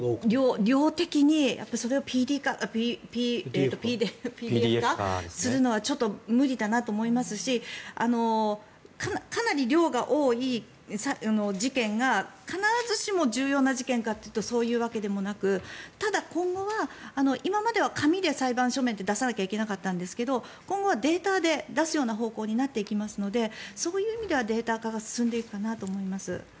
量的にそれをＰＤＦ化するのはちょっと無理だなと思いますしかなり量が多い事件が必ずしも重要な事件かというとそういうわけでもなくただ今後は今までは紙で裁判書面って出さなきゃいけなかったんですが今後はデータで出すような方向になっていきますのでそういう意味ではデータ化が進んでいくかなと思います。